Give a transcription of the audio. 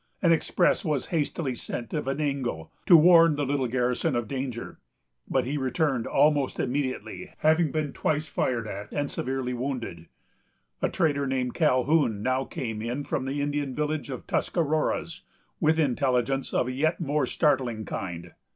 An express was hastily sent to Venango, to warn the little garrison of danger; but he returned almost immediately, having been twice fired at, and severely wounded. A trader named Calhoun now came in from the Indian village of Tuscaroras, with intelligence of a yet more startling kind.